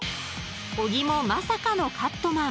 ［小木もまさかのカットマン］